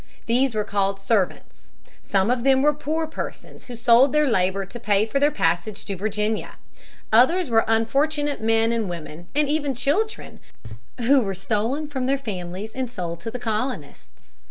These were called servants. Some of them were poor persons who sold their labor to pay for their passage to Virginia. Others were unfortunate men and women and even children who were stolen from their families and sold to the colonists.